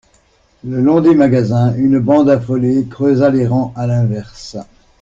Le long des magasins, une bande affolée creusa les rangs à l'inverse.